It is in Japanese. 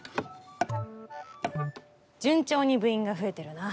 順調に部員が増えてるな。